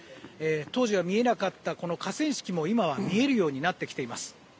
当時は見えなかった河川敷も今は見えるようになってきています。